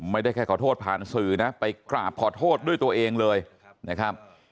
ไม่ได้แค่ขอโทษผ่านสื่อนะไปกราบขอโทษด้วยตัวเองเลยนะครับ